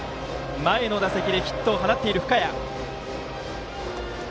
前の打席でヒットを放っている深谷。